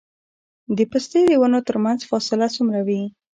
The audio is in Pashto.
د پستې د ونو ترمنځ فاصله څومره وي؟